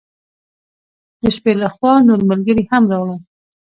د شپې له خوا نور ملګري هم راغلل.